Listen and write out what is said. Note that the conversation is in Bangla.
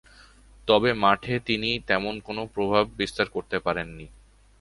তবে, মাঠে তিনি তেমন কোন প্রভাব বিস্তার করতে পারেননি।